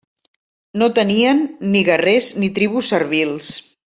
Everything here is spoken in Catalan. No tenien ni guerrers ni tribus servils.